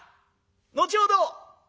後ほど！